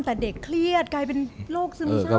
แต่เด็กเครียดกลายเป็นโรคซึมเศร้า